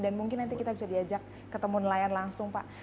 dan mungkin nanti kita bisa diajak ketemu nelayan langsung pak